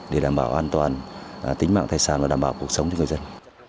để đảm bảo an toàn tính mạng thay sản và đảm bảo cuộc sống cho người dân